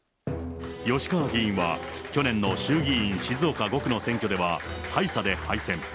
吉川議員は去年の衆議院静岡５区の選挙では、大差で敗戦。